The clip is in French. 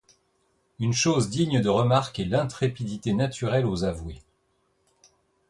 Une chose digne de remarque est l’intrépidité naturelle aux avoués.